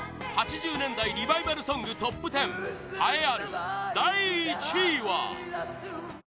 ８０年代リバイバルソングＴＯＰ１０栄えある第１位は？